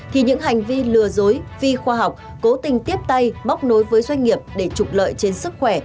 thì những hành vi lừa dối phi khoa học cố tình tiếp tay bóc nối với doanh nghiệp để trụng lợi trên sức khỏe